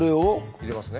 入れますね。